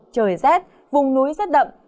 trời rét vùng núi rét đậm